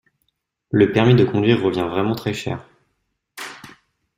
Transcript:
Le permis de conduire revient vraiment très cher.